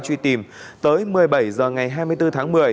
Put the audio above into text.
truy tìm tới một mươi bảy h ngày hai mươi bốn tháng một mươi